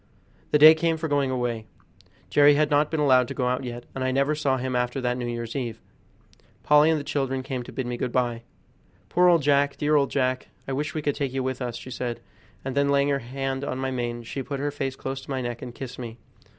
The day came for going away. Jerry had not been allowed to go out yet, and I never saw him after that New Year's eve. Polly and the children came to bid me good by. "Poor old Jack! dear old Jack! I wish we could take you with us," she said, and then laying her hand on my mane she put her face close to my neck and kissed me.